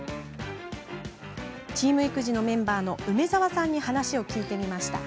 チーム育児のメンバーの梅沢さんに話を聞いてみました。